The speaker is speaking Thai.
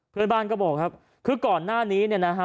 เพื่อนบ้านก็บอกครับคือก่อนหน้านี้เนี่ยนะฮะ